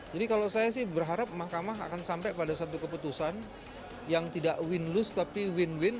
jadi kalau saya sih berharap mahkamah akan sampai pada satu keputusan yang tidak win lose tapi win win